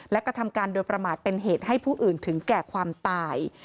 และกระทำการโดยประมาทเป็นเหตุให้ผู้อื่นถึงแก่ความตาย